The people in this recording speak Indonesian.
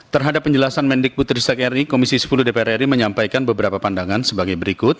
terhadap penjelasan mendik putri sekri komisi sepuluh dpr ri menyampaikan beberapa pandangan sebagai berikut